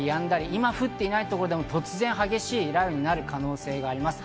今降っていないところでも突然激しい雷雨の可能性があります。